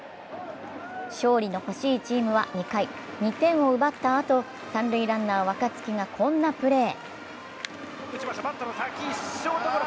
勝利の欲しいチームは２回、２点を奪ったあと、三塁ランナー・若月がこんなプレー。